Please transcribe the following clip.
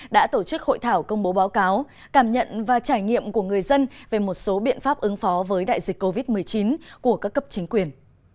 đã tổ chức hội thảo công bố báo cáo cảm nhận và trải nghiệm của người dân về một số biện pháp ứng phó với đại dịch covid một mươi chín của các cấp chính quyền